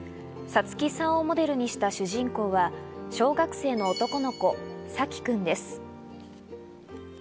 さつきさんをモデルにした主人公は、小学生の男の子、さき君です。